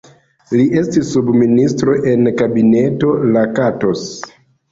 Li estis subministro en Kabineto Lakatos.